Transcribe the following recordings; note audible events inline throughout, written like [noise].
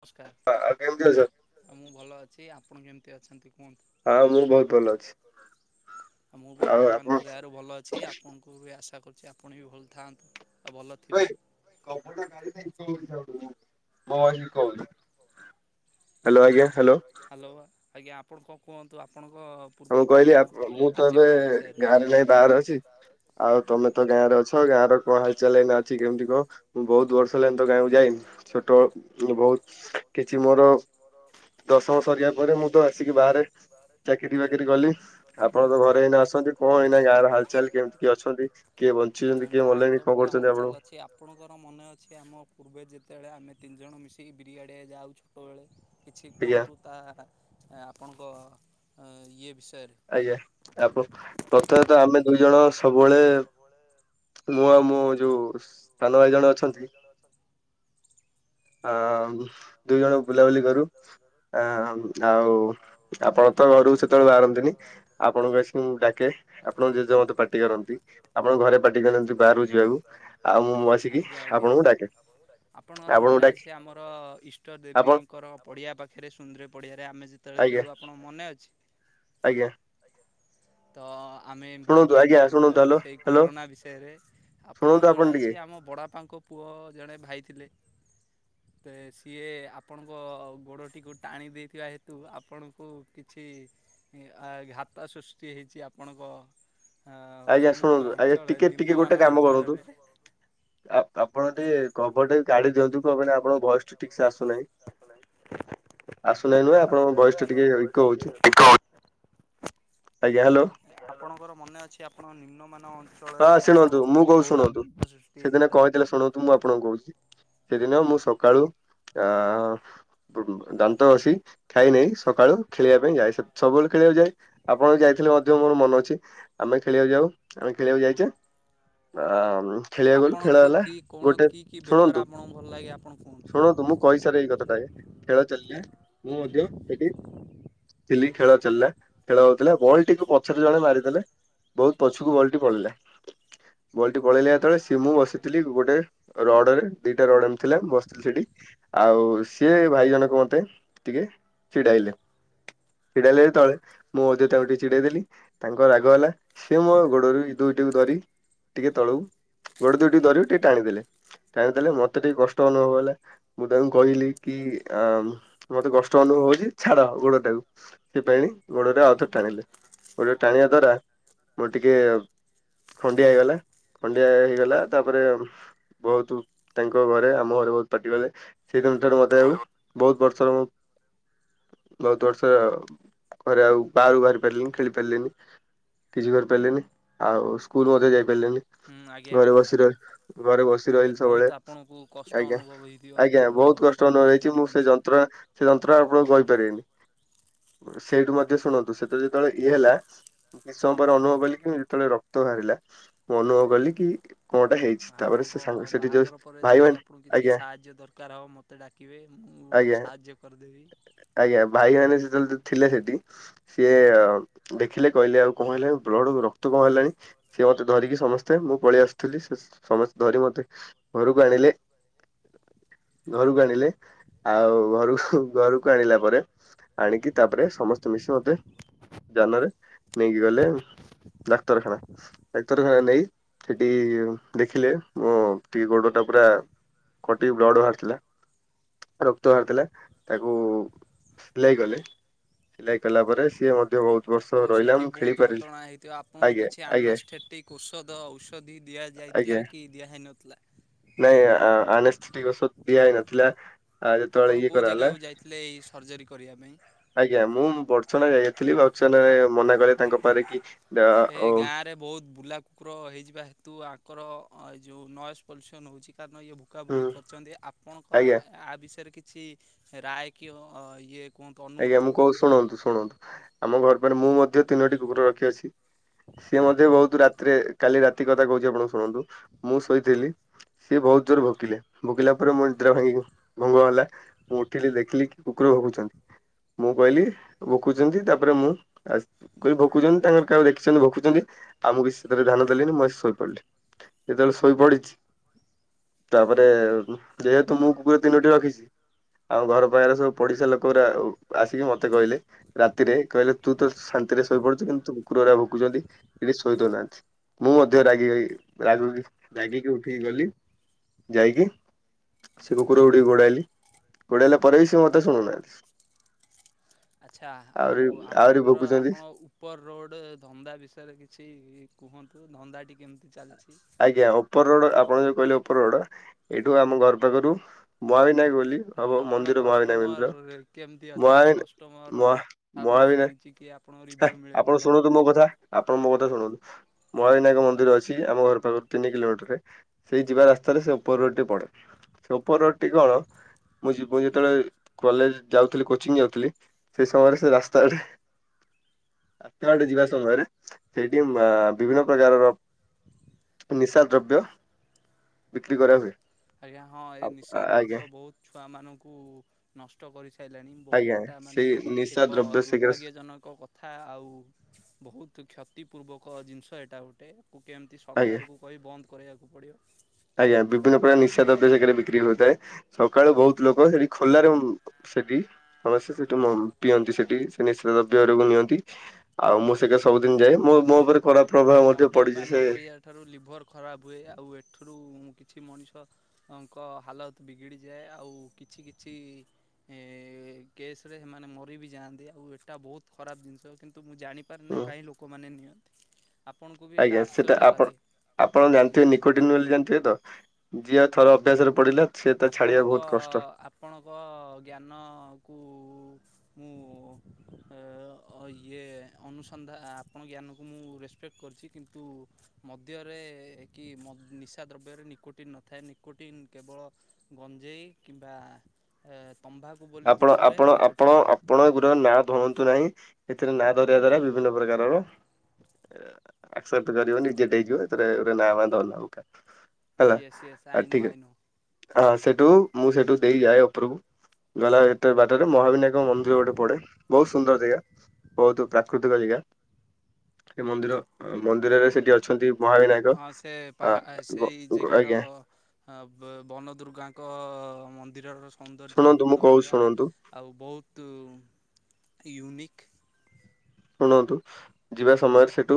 ନମସ୍କାର ଆଉ ମୁଁ ଭଲ ଅଛି। ଆପଣ କେମିତି ଅଛନ୍ତି କୁହନ୍ତୁ? ମୁଁ ବି ଭଗବାନଙ୍କ ଦୟାରୁ ଭଲ ଅଛି। ଆପଣଙ୍କ ମୁଁ ବି ଆଶା କରୁଛି ଆପଣ ବି ଭଲ ଥାଆନ୍ତୁ। ଆଉ ଭଲ ଥିବା [unintelligible] ହଲୋ ଆଜ୍ଞା ହାଲୋ। ହ୍ୟାଲୋ ଆଜ୍ଞା ଆପଣ କଣ କୁହନ୍ତୁ, ଆପଣଙ୍କ ମୁଁ କହିଲି ମୁଁ ତ ଏବେ ଗାଁରେ ନାଇ ବାହାରେ ଅଛି। ଆଉ ତମେ ତ ଗାଁ ରେ ଅଛ, ଗାଁ ର କଣ ହାଲଚାଲ ଏଇନା ଅଛି? କେମିତି କନ? ମୁଁ ବହୁତ ବର୍ଷ ହେଲାଣି ତ ଗାଁକୁ ଯାଇନି। ଛୋଟ ବହୁତ କିଛି ମୋର ମୋର ଦଶମ ସରିବା ପରେ ମୁଁ ତ ଆସିକି ବାହାରେ [inaudible] ଚାକିରି ବାକିରି କଲି। ଆପଣ ତ ଘରେ ଏଇନା ଅଛନ୍ତି। କଣ ଏଇନା ଗାଁ ର ହାଲଚାଲ କେମିତି କିଏ ଅଛନ୍ତି? କିଏ ବଞ୍ଚିଛନ୍ତି କିଏ ଗଲେନି? କଣ କରୁଚନ୍ତି ଆପଣ? ଛି ଆପଣଙ୍କର ମନେ ଅଛି ଆମ ପୂର୍ବେ ଯେତେବେଳେ ଆମେ ତିନି ଜଣ ମିଶିକି ବିରିଆଡେ ଯାଉ ଛୋଟବେଳେ? କିଛି କୁହନ୍ତୁ, ତାହା ଆପଣଙ୍କ ଇଏ ବିଷୟରେ? ଆଜ୍ଞା ଆପ ପ୍ରଥମେତ ଆମେ ଦୁଇ ଜଣ ସବୁବେଳେ ମୁଁ ଆଉ ମୁଁ ଯୋଉ ସାନ ଭାଇ ଜଣେ ଅଛନ୍ତି। [inaudible] ଆଉ ଦୁଇ ଜଣ ବୁଲାବୁଲି କରୁ ଆ ଆଉ ଆପଣ ତ ଘରୁ ସେତେବେଳେ ବାହାରନ୍ତିନି। [inaudible] ଆଜ୍ଞା ଆଜ୍ଞା ଆପଣଙ୍କର ମନେ ଅଛି ଆମର ଇଷ୍ଟ ଷ୍ଟ ଦେବୀଙ୍କର ପଡିଆ ପାଖରେ ସୁନ୍ଦର ପଡିଆରେ ଆମେ ଯେତେବେଳେ ଖେଳୁ ଆପଣଙ୍କ ମନେ ଅଛି? ଆଜ୍ଞା। ତ ଆମେ ଏମିତି ଦିନେ ଖେଳୁଥିଲୁ। ସେଇ କୋରୋନା ବିଷୟରେ ଆପଣ ଜଣା ଅଛି ଆମ ବଡ଼ବାପାଙ୍କ ପୁଅ ଜଣେ ଭାଇ ଥିଲେ। ତ ସିଏ ଆପଣଙ୍କ ଗୋଡ଼ଟିକୁ ଟାଣି ଦେଇଥିବା ହେତୁ ଆପଣଙ୍କୁ କିଛି ଅ ଘାତ ସୃଷ୍ଟି ହେଇଛି ଆପଣଙ୍କ ହ ସମ୍ମୁଖୀନ ଅଞ୍ଚଳ ନିମ୍ନମାନ ଅଞ୍ଚଳରେ ଆ ଆପଣ ଟିକେ କଭର ଟିକେ ଗାଡି ଦିଅନ୍ତୁ କହିବ ମାନେ ଆପଣଙ୍କ ଭଏସ୍ ଠିକ ସେ ଆସୁନାହିଁ, ଆସୁନାହିଁ ନୁହେ ଆପଣଙ୍କ ଭୟସ ଟା ଟିକେ ଇକୋ ହଉଚି। ଆଜ୍ଞା ହାଲୋ। ଆପଣଙ୍କର ମନେ ଅଛି ଆପଣଙ୍କ ନିମ୍ନମାନ ହଁ ଶୁଣନ୍ତୁ ମୁଁ କହୁ ଶୁଣନ୍ତୁ ସେଦିନେ କଣ ହେଇଥିଲା ଶୁଣନ୍ତୁ ମୁଁ କହୁଚି ଶୁଣନ୍ତୁ। ସେଦିନ ମୁଁ ସକାଳୁ ଆ ଦାନ୍ତ ଘସି ଖାଇ ନାଇ ସକାଳୁ। ଖେଳିବା ପାଇଁ ଯାଏ, ସେ ସବୁବେଳେ ଖେଳିବାକୁ ଯାଏ ଆପଣ ଯାଇଥିଲେ ମଧ୍ୟ ମୋର ମନ ଅଛି ଆମେ ଖେଳିବାକୁ ଯାଉ। ଖେଳିବାକୁ ଯାଇଚେ ଆ ଆପଣଙ୍କୁ କୁ କଣ କି କି ବେପାର ଆପଣଙ୍କୁ ଭଲ ଲାଗେ ଆପଣ କୁହନ୍ତୁ? ଶୁଣନ୍ତୁ ମୁଁ କହିସାରେ ଏଇ କଥାଟା ଆଗେ, ଖେଳ ଚାଲିଲେ ମୁଁ ମଧ୍ୟ ସେଠି ଥିଲି ଖେଳ ଚାଲିଲା ଖେଳ ହଉଥିଲା ବଲ ଟିକୁ ପଛରେ ଜଣେ ମାରିଦେଲେ ବହୁତ ପଛକୁ ବଲ ଟି ପଡିଲା। ବଲ୍ ଟି ପଳେଇଲା ଯେତେବେଳେ ସି ମୁଁ ବସିଥିଲି ଗୋଟେ ରଡ ରେ ଦିଟା ରଡ ଏମ ଥିଲା ବସିଥିଲି ସେଇଠି। ଆଉ ସିଏ ଭାଇ ଜଣକ ମତେ ଟିକେ ଚିଡାଇଲେ। ଚିଡାଇଲେ ଯେତବେଳେ ମୁଁ ମଧ୍ଯ ତାଙ୍କୁ ଟିକେ ଚିଡେଇ ଦେଲି। ତାଙ୍କ ରାଗ ହେଲା ସି ମୋ ଗୋଡରୁ ଦୁଇଟିକୁ ଧରି ଟିକେ ତଳକୁ ଗୋଟେ ଦୁଇଟିକୁ ଧରି ଟିକେ ଟାଣିଦେଲେ। ଟାଣିଦେଲେ ମତେ ଟିକେ କଷ୍ଟ ଅନୁଭବ ହେଲା। ମୁଁ ତାଙ୍କୁ କହିଲି କି ଅ ମତେ କଷ୍ଟଙ୍କା ଦବ ବୋଲି ଛାଡ ଗୁଣଟା କୁ। ସେ ପାଇଁ ଗୋଡରେ ଆଉଥରେ ଟାଣିଲେ ଗୋଡରେ ଟାଣିବା ଦ୍ଵାରା ମୋର ଟିକେ ଖଣ୍ଡିଆ ହେଇଗଲା। ଖଣ୍ଡିଆ ହେଇଗଲା ତାପରେ ବହୁତ ତାଙ୍କ ଘରେ ଆମ ଘରେ ବହୁତ ପାଟି ଗଲେ। ସେଇ ଦିନ ଠାରୁ ବୋଧେ ଆଉ ବହୁତ ବର୍ଷର ବହୁତ ବର୍ଷ ଘରେ ଆଉ ବାହାରକୁ ବାହାରି ପାରିଲିନି ଖେଳି ପାରିଲିନି। କିଛି କରିପାରିଲିନି ଆଉ ସ୍କୁଲ ମଧ୍ୟ ଯାଇପାରିଲିନି। ଘରେ ବସି ରହି ଘରେ ବସି ରହିଲି ସବୁବେଳେ। ଆଜ୍ଞା ଆଜ୍ଞା ବହୁତ କ ସେ ନ ହେଇଚି ମୁଁ ସେ ଯନ୍ତ୍ର ସେ ଯନ୍ତ୍ର ଆପଣଙ୍କୁ କହିପାରିବିନି। ସେଇଠୁ ମଧ୍ୟ ଶୁଣନ୍ତୁ ସେଟା ଯେତେବେଳେ ଇଏ ହେଲା କିଛି ସମୟ ପରେ ଅନୁଭବ କାଲି କି ଯେତେବେଳେ ରକ୍ତ ବାହାରିଲା ମୁଁ ଅନୁଭବ କଲି କି ଆପଣଙ୍କ ବାହାଘର ପରେ ଯଦି ଆପଣଙ୍କୁ କିଛି ସାହାର୍ଯ୍ୟ ଦରକାର ହେବ ମୋତେ ଡାକି କିବେ ମୁଁ ସାହାଯ୍ୟ କରିଦେବି। ଆଜ୍ଞା ଭାଇ ମାନେ ଯେତେବେଳେ ଥିଲେ ସେଠି ସିଏ ଦେଖିଲେ କହିଲେ ଆଉ କଣ ହେଲା ବ୍ଲଡ଼ ଗୁର ତୋ ହେଲାଣି ସିଏ ମତେ ଧରିକି ସମସ୍ତେ ମୁଁ ପଳେଇ ଆସୁଥିଲି ସେ ସମସ୍ତେ ଧରି ମତେ ଘରକୁ ଆଣିଲେ। ଘରକୁ ଆଣିଲେ ଆଉ ଘରକୁ ଘରକୁ ଆଣିଲା ପରେ ଆଣିକି ତାପରେ ସମସ୍ତେ ମିଶି ମତେ ଯାନରେ ନେଇକି ଗଲେ ଆଉ। ଡାକ୍ତରଖାନା। ଡାକ୍ତରଖାନା ନେଇ ସେଠି ଦେଖିଲେ ମୋ ଟିକେ ଗୋଡ଼ ଟା ପୁରା କଟିକି ବ୍ଲଡ଼୍ ବାହାରିଥିଲା। ରକ୍ତ ବାହାରିଥିଲା ତାକୁ ସିଲେଇ କଲେ। ସିଲାଇ କଲା ପରେ ସିଏ ମଧ୍ୟ ବହୁତ ଓ ସେଠି ବହୁତ ଯନ୍ତ୍ରଣା ହେଇଥିବା ଆ କିଛି ଆନାସ୍ତେଟିକ୍ ଔଷଧ ଔଷଧି ଦିଆଯାଇଥିଲା କି ଦିଆ ହେଇନଥିଲା? ନାଇଁ ଆନାସ୍ତେଟିକ୍ ଔଷଧ ଦିଆ ହେଇ ନଥିଲା। ଆପଣ କୋଉ ଜେଗାକୁ ଯାଇଥିଲେ ଏଇ ସର୍ଜରୀ କରିବା ପାଇଁ? ଆଜ୍ଞା ମୁଁ ବର୍ଚନା ଯାଇଥିଲି ବର୍ଚନାରେ ମନା କଲେ ତାଙ୍କ ପାଖରେ କି ଏ ଗାଁ ରେ ବହୁତ ବୁଲା କୁକୁର ହେଇଯିବା ହେତୁ ଆଙ୍କର ଏ ଯୋଉ ନଏଜ ପଲ୍ୟୁସନ ହୋଉଛି କାରଣ ଇଏ ଭୁ କା ବୁକି କରିଛନ୍ତି ଆପଣଙ୍କ ଆ ବିଷୟରେ କିଛି ରାୟେ କି ଇଏ ଆଜ୍ଞା ମୁଁ କହୁ ଶୁଣନ୍ତୁ ଶୁଣନ୍ତୁ ଆମ ଘର ପରେ ମୁଁ ମଧ୍ୟ ତିନୋଟି କୁକୁର ରଖିଅଛି। ସିଏ ମଧ୍ୟ ବହୁତ ରାତିରେ କାଲି ରାତି କଥା କହୁଛି ଆପଣଙ୍କୁ ଶୁଣନ୍ତୁ ମୁଁ ଶୋଇଥିଲି ସିଏ ବହୁତ ଜୋର ଭୁକିଲା। ଭୁକିଲା ପରେ ମୋ ନିଦ୍ରା ଭାଙ୍ଗି ଭଙ୍ଗ ହେଲା ମୁଁ ଉଠିଲି ଦେଖିଲି କି କୁକୁର ଭୁକୁଚନ୍ତି। ମୁଁ କହିଲି ଭୁକୁଛନ୍ତି ତାପରେ ମୁଁ କହିଲି ଭୁକୁଛନ୍ତି ତାଙ୍କର କାହା ଦେଖିଛନ୍ତି ଭୁକୁଛନ୍ତି ଆମକୁ କିଛି ସେତେବେଳେ ଧ୍ୟାନ ଦେଲିଣିି ମୁଁ ଶୋଇ ପଡିଲି ଯେତେବେଳେ ଶୋଇ ପଡିଛି ତାପରେ ଯେହେତୁ ମୁଁ କୁକୁର ତିନୋଟି ରଖିଛି ଆଉ ଘର ପାଖରେ ସବୁ ପଡିଶା ଲୋକ କୋରାଉ ଆସିକି ମତେ କହିଲେ ରାତିରେ କହିଲେ ତୁ ତ ଶାନ୍ତିରେ ଶୋଇପଡୁଛୁ କିନ୍ତୁ ତୁ କୁକୁରର ରା ଭୁକୁଛନ୍ତି ଏଠି ଶୋଇ ଦୋଉନାହାନ୍ତି ମୁଁ ମଧ୍ୟ ରାଗି ରାଗି ରାଗିକି ଉଠିକି ଗଲି। ଯାଇକି ସେ କୁକୁର ଗୁଡିକୁ ଘୋଡାଇଲି ଘୋଡାଇଲା ପରେ ବି ସେ ମୋ କଥା ଶୁଣୁନାହାନ୍ତି। [unintelligible] ଆଚ୍ଛା ଆଉ ଆପଣଙ୍କର ଆପଣ ଉ ପର ରୋଡ଼ ରେ ଧନ୍ଦା ବିଷୟରେ କିଛି କୁହନ୍ତୁ ଧନ୍ଦାଟି କେମିତି ଚାଲିଚି? ଆଜ୍ଞା ଉପର ରୋଡ଼ ଆପଣ ଯେଉଁ କହିଲେ ଉପର ରୋଡ଼ ଏଇଠୁ ଆମ ଘର ପାଖରୁ ବୟାଳିନାଇ ବୋଲି ହବ ମନ୍ଦିର ମହାବିନାୟକ ମନ୍ଦିର ମହାବିନା ମହାବିନା ହେ ଆପଣ ଶୁଣନ୍ତୁ ମୋ କଥା ଆପଣ ମୋ କଥା ଶୁଣନ୍ତୁ ମହାବିନାୟକ ମନ୍ଦିର ଅଛି ଆମ ଘର ତ ଆଉ ତିନି କିଲୋମିଟରରେ ସେଇ ଯିବା ରାସ୍ତାରେ ସେ ଉପର ରୋଡ ଟି ପଡେ ସେ ଉପର ରୋଡ ଟି କ'ଣ ମୁଁ ଯିବୁ ଯେତେବେଳେ କଲେଜ ଯାଉଥିଲି କୋଚିଙ୍ଗ ଯାଉଥିଲି ସେଇ ସମୟରେ ସେ ରାସ୍ତାରେ ଆତେ ବାଟେ ଯିବା ସମୟରେ ସେଇଠି ବିଭିନ୍ନ ପ୍ରକାରର ନିଶା ଦ୍ରବ୍ୟ ବିକ୍ରି କରାହୁଏ। ଆଜ୍ଞା ହଁ, ଏ ନିଶା ଦ୍ରବ୍ୟ ବହୁତ ଛୁଆ ମାନଙ୍କୁ ନଷ୍ଟ କରିସାରିଲାଣି ବହୁତ ଏଟା ମାନେ ଏକ ଦୁର୍ଭାଗ୍ୟଜନକ କ ଥା ଆଉ ବହୁତ କ୍ଷତିପୂର୍ବକ ଜିନିଷ ଏଇଟା ଗୋଟେ କୁ କେମିତି ସରକାରକୁ କହି ବନ୍ଦ କରେଇବାକୁ ପଡ଼ିବ। ଆଜ୍ଞା, ବିଭିନ୍ନ ପ୍ରକାର ନିଶା ଦ୍ରବ୍ୟ ସେଠାରେ ବିକ୍ରି ହଉଥାଏ। ସକାଳୁ ବହୁତ ଲୋକ ସେଠି ଖୋଲାରେ ସେଠି ସମସ୍ତେ ସେଠୁ ପିଅନ୍ତି ସେଠି ସେ ନିଶା ଦ୍ରବ୍ୟ ଘରକୁ ନିଅନ୍ତି ଆଉ ମୁଁ ସେଟା ସବୁଦିନ ଯାଏ ମୁଁ ମୋ ଉପରେ ଖରାପ ପ୍ରଭାବ ମୋଠି ପଡିଛି ସେ ଏଠାରୁ ଲିଭର୍ ଖରାପ ହୁଏ, ଆଉ ଏଠୁରୁ କିଛି ମଣିଷ ଅଙ୍କ ହାଲତ ବିଗିଡ଼ିଯାଏ ଆଉ କିଛି କିଛି ଏ କେସରେ ସେମାନେ ମରି ବି ଯାଆନ୍ତି, ଆଉ ଏଇଟା ବହୁତ ଖରାପ ଜିନିଷ କିନ୍ତୁ ମୁଁ ଜାଣି ପାରେ ନା କାହିଁ ଲୋକମାନେ ନିଅନ୍ତି, ଆପଣଙ୍କୁ ବି ଏଇଟା ଆଶ୍ଚର୍ଯ୍ୟ ଲାଗେ? ଆପଣ ଜାଣିଥିବେ ନିକୋଟିନ୍ ବୋଲି ଜାଣିଥିବେ ତ ଯିଏ ଥରରେ ଅଭ୍ୟାସରେ ପଡିଲା ଆପଣଙ୍କ ଆପଣଙ୍କ ଜ୍ଞାନକୁ ମୁଁ ଇଏ ଅନୁସନ୍ଧା ଆପଣ ଜ୍ଞାନକୁ ମୁଁ ରେସ୍ ଫେକ୍ଟ କରିଛି କିନ୍ତୁ ମଦ୍ୟରେ କି ମ ନିଶା ଦ୍ରବ୍ୟରେ ନିକୋଟିନ୍ ନଥାଏ, ନିକୋଟିନ୍ କେବଳ ଗଞ୍ଜେଇ କିମ୍ବା ତମ୍ଭା ଆପଣ ଆପଣ ଆପଣ ଆପଣ ଏଗୁରା ନାଆ ଧର ନ୍ତୁନାହିଁ, ଏଥିରେ ନା ଧରିବା ଦ୍ଵାରା ବିଭିନ୍ନ ପ୍ରକାରର ଆକ୍ସେପ୍ଟ କରିବନି ରିଜେକ୍ଟ ହେଇଯିବ ଏଥିରେ ନାଁ ଭାଁ ଧର ହେଲା ଆ ଠିକ୍ ହଁ ସେଠୁ ମୁଁ ସେଠୁ ଦେଇ ଆଏ ଉପରକୁ। ଗଲା ଏତେ ବାଟରେ ମହାବିନାୟକ ମନ୍ଦିର ଗୋଟେ ପଡେ ବହୁତ ସୁନ୍ଦର ଜାଗା ବହୁତ ପ୍ରାକୃତିକ ଜାଗା ସେ ମନ୍ଦିର ମନ୍ଦିରରେ ସେଠି ଅ ଅଛନ୍ତି ମହାବିନାୟକ ଆ ଗ ଗ ଆଜ୍ଞା। ଆଁ ବ ବନଦୁର୍ଗାଙ୍କ ମନ୍ଦିରର ସୌନ୍ଦର୍ଯ୍ୟ ବହୁତ ଅଲଗା। ଆଉ ବହୁତ ୟୁନିକ୍। ଶୁଣନ୍ତୁ ଯିବା ସମୟରେ ସେଠୁ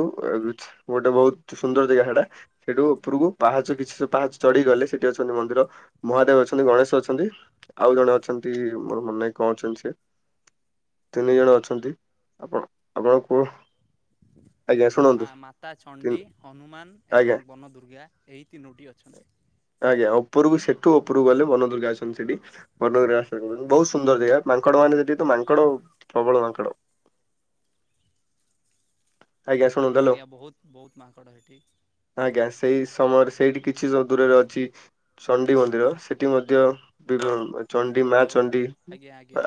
ଗୋଟେ ବହୁତ ସୁନ୍ଦର ଜାଗା ସେଟା ସେଠୁ ଉପରକୁ ପାହାଚ କିଛି ସବୁ ପାହାଚ ଚଢିକିଗଲେ ସେଠି ଅଛନ୍ତି ମନ୍ଦିର ମହାଦେବ ଅଛନ୍ତି, ଗଣେଶ ଅଛନ୍ତି। ଆଉ ଜଣେ ଅଛନ୍ତି ମୋର ମନେ କ'ଣ ଅଛନ୍ତି ସେ ତିନି ଜଣ ଅଛନ୍ତି, ଆପଣ ଆପଣ କୁହ ହ ମା ମାତା ଚଣ୍ଡୀ, ହନୁମାନ ଏବଂ ବନଦୁର୍ଗା ଏହି ତିନୋଟି ଅଛନ୍ତି। ଆଜ୍ଞା, ଉପରକୁ ସେଠୁ ଉପରକୁ ଗଲେ ବନଦୁର୍ଗା ଅଛନ୍ତି ସେଠି ବନଦୁର୍ଗା ବହୁତ ସୁନ୍ଦର ଜାଗା। ମାଙ୍କଡ଼ ମାନେ ସେଠି ତ ମାଙ୍କଡ ପ୍ରବଳ ମାଙ୍କଡ଼। ଆଜ୍ଞା, ବହୁତ ବହୁତ ମାଙ୍କଡ଼ ହେଇଠି। ଆଜ୍ଞା, ସେଇ ସମୟରେ ସେଇଠି କିଛି ଦୂରରେ ଅଛି ଚଣ୍ଡୀ ମନ୍ଦିର ସେଠି ମଧ୍ୟ ଚଣ୍ଡୀ ମା ଚଣ୍ଡୀ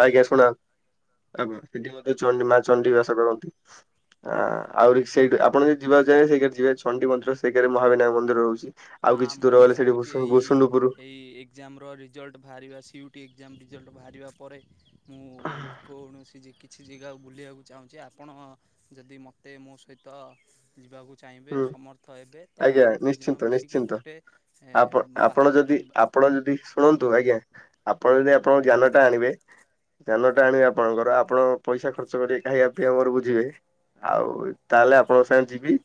ଆଜ୍ଞା ଶୁଣା ଆ ସେଠି ମଧ୍ୟ ଚଣ୍ଡୀ ମା ଚଣ୍ଡୀ ବାସ କରନ୍ତି। ଆଁ ଆହୁରି ସେଇଠି ଆପଣ ଯଦି ଯିବାକୁ ଚାହିଁବେ ସେଇ କରେ ଯିବେ ଚଣ୍ଡୀ ମନ୍ଦିର ସେଇକାରେ ମହାବିନାୟକ ମନ୍ଦିର ରହୁଛି। ହାଁ, ମୁଁ ବି ଭାବୁଛି ଏଇ ଏଇ ଏଇ ଏକ୍ଜାମର ରିଜଲ୍ଟ ବାହାରିବା C U E T exam result ବାହାରିବା ପରେ ମୁଁ କୌଣସି ଯିକି ଛି ଜେଗା ବୁଲିବାକୁ ଚାହୁଁଛି ଆପଣ ଯଦି ମୋତେ ମୋ ସହିତ ଯିବାକୁ ଚାହିଁବେ ସମର୍ଥ ହେବେ ତ ଆମେ ଦୁଇ ଜଣ ମିଶି ଚିନ୍ତ ଆପ ଆପଣ ଯଦି ଆପ୍ ଆପଣ ଯଦି ଶୁଣନ୍ତୁ ଆଜ୍ଞା ଆପଣ ଯଦି ଆପଣଙ୍କ ଜ୍ଞାନ ଟା ଆଣିବେ ଧାନ ଟା ଆଣିବେ ଆପଣଙ୍କର ଆପଣ ପଇସା ଖର୍ଚ୍ଚ କରିକି ଖାଇବା ପିଇବା ମୋର ବୁଝିବେ। ଆଉ ତାହେଲେ ଆପଣଙ୍କ ସାଙ୍ଗେ ଯିବି।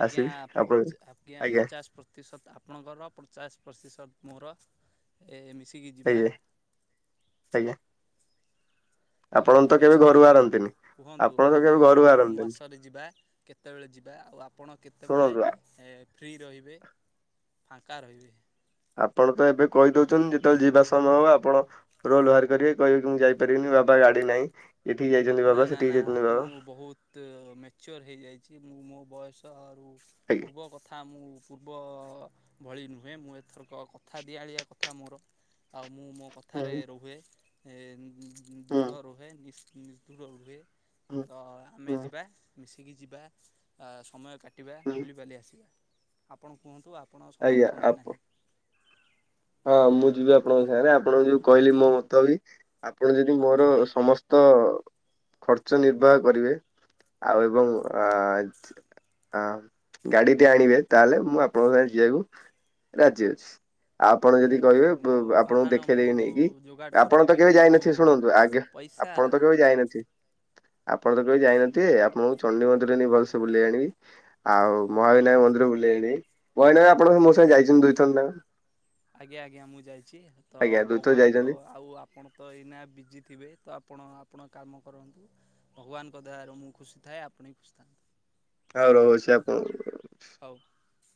ଆଜ୍ଞା ପଚା ଆଜ୍ଞା ପଚାଶ ପ୍ର ପ୍ରତିଶତ ଆପଣଙ୍କର ପଚାଶ ପ୍ରତିଶତ ମୋର ଏ ମିଶିକି ଯିବା। ଆଜ୍ଞା। ଆଜ୍ଞା ଠିକ୍ ଅଛି ଆଉ କୁହନ୍ତୁ ଆମେ କୋଉ ମାସରେ ଯିବା? କେତେବେଳେ ଯିବା ଆଉ ଆପଣ କେତେବେଳେ ଏ ଫ୍ରି ରହିବେ ଫାଙ୍କା ରହିବେ। ଆପଣ ତ ଏବେ କଇ ଦଉଚନ୍ତି ଯେତେବେଳେ ଯିବା ସମୟ ହବ ଆପଣ ରୋଲ ବାହାର କରିବେ କହିବେ ମୁଁ ଯାଇପାରିବିନି ବାବା ଗାଡି ନାଇଁ ଏଠିକି ଯାଇଚନ୍ତି ବାବା ସେଠିକି ଯାଇଚନ୍ତି ବାବା। ତ ମ୍ୟାଚୋର୍ ହେଇଯାଇଛି ମୁଁ ମୋ ବୟସରୁ ପୂର୍ବ କଥା ମୁଁ ପୂର୍ବ ଭଳି ନୁହେଁ ମୁଁ ଏଥରକ କଥା ଦିଆଳିଆ କଥା ମୋର। ଆଉ ମୁଁ ମୋ କଥାରେ ରୁହେ ଏ ଦୃଢ଼ ରୁହେ ନିସ୍ ନି ତୁର ରୁହେ ତ ଆମେ ଯିବା ମିଶିକି ଯିବା ଆ ସମୟ କା ଟିବା ବୁଲିିବାଲି ଆସିବା ଆପଣ କୁହନ୍ତୁ ଆପଣ ସମର୍ଥ ନା ନାହିଁ? ହଁ ମୁଁ ଯିବି ଆପଣଙ୍କ ସାଙ୍ଗରେ ଆପଣଙ୍କୁ ଯୋଉ କଇଲି ମୋ ମତ ବି ଆପଣ ଯଦି ମୋର ସମସ୍ତ ଖର୍ଚ୍ଚ ନିର୍ବାହ କରିବେ ଆଉ ଏବଂ ଆ ହଁ ଗାଡିଟେ ଆଣିବେ ତାହେଲେ ମୁଁ ଆପଣଙ୍କ ସାଙ୍ଗେ ଯିଆକୁ ରାଜି ଅଛି। ଆପଣ ଯଦି କହିବେ ଆପଣଙ୍କୁ ଦେଖେଇଦେକି ନେଇକି ଆପଣ ତ କେବେ ଯାଇନଥିବେ ଶୁଣନ୍ତୁ ଆଗେ ଆପଣ ତ କେବେ ଯାଇନଥିବେ? ଆପଣ ତ କେବେ ଯାଇନଥିବେ ଆପଣଙ୍କୁ ଚଣ୍ଡି ମନ୍ଦିର ନେଇ ଭଲସେ ବୁଲେଇ ଆଣିବି। ଆଉ ମହାବିନାୟକ ମନ୍ଦିର ବୁଲେଇ ଆଣିବି ମହାବିନାୟକ ଆପଣ ମୋ ସାଙ୍ଗେ ଯାଇଚନ୍ତି ଦୁଇଥର ନା। ଆଜ୍ଞା ଆଜ୍ଞା ମୁଁ ଯାଇଚି ତ ଭଗବାନଙ୍କ ଆଉ ଆ ପଣ ତ ଏଇନା ବିଜି ଥିବେ ତ ଆପଣ ଆପଣ କାମ କରନ୍ତୁ। ଭଗବାନଙ୍କ ଦୟାରୁ ମୁଁ ଖୁସି ଥାଏ ଆପଣ ବି ଖୁସି ଥାନ୍ତୁ। ହଉ ରହୁଛି ଆପଣ ହଉ।